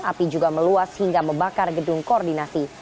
api juga meluas hingga membakar gedung koordinasi